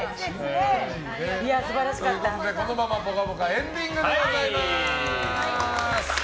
このまま「ぽかぽか」エンディングでございます。